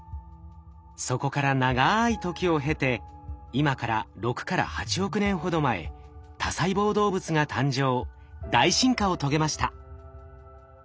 そこから長い時を経て今から６から８億年ほど前多細胞動物が誕生大進化を遂げました。